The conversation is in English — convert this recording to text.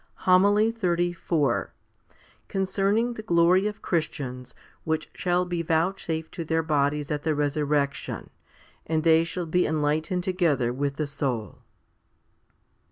HOMILY XXXIV Concerning the glory of Christians which shall be vouchsafed to their bodies at the resurrection, and they shall be enlightened together with the soul.